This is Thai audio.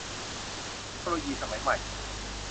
เทคโนโลยีสมัยใหม่